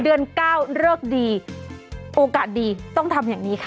เดือน๙เลิกดีโอกาสดีต้องทำอย่างนี้ค่ะ